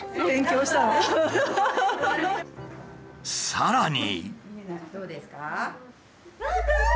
さらに。